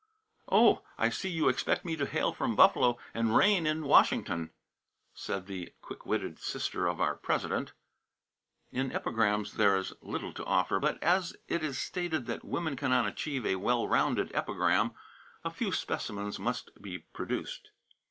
"Oh, I see you expect me to hail from Buffalo and reign in Washington," said the quick witted sister of our President. In epigrams there is little to offer. But as it is stated that "women cannot achieve a well rounded epigram," a few specimens must be produced.